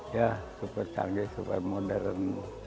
ya super canggih super modern